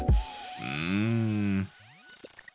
うん。